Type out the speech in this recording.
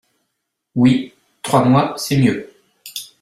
Oui, trois mois, c’est mieux.